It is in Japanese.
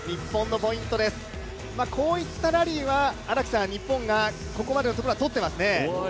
こういったラリーは日本がここまでのところ、取っていますね。